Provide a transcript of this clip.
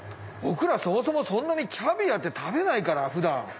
僕らそもそもそんなにキャビアって食べないから普段。